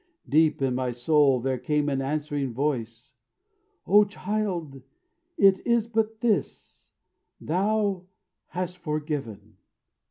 Deep in my soul there came an answering voice: "O Child, it is but this thou hast forgiven!"